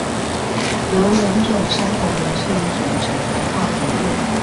由兩種相同元素組成的化合物